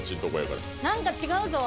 何か違うぞ！